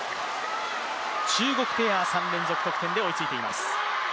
中国ペア３連続得点で追いついています。